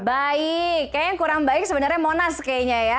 baik kayaknya yang kurang baik sebenarnya monas kayaknya ya